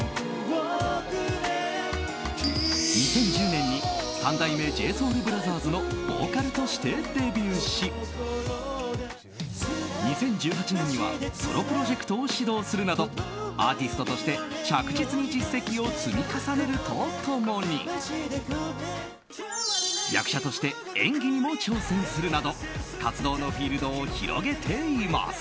２０１０年に三代目ＪＳＯＵＬＢＲＯＴＨＥＲＳのボーカルとしてデビューし２０１８年にはソロプロジェクトを始動するなどアーティストとして着実に実績を積み重ねると共に役者として演技にも挑戦するなど活動のフィールドを広げています。